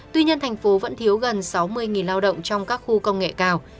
tuy nhiên thành phố vẫn thiếu gần sáu mươi lao động trong các khu công nghệ cao